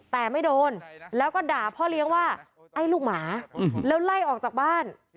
แต่ไม่โดนแล้วก็ด่าพ่อเลี้ยงว่าไอ้ลูกหมาแล้วไล่ออกจากบ้าน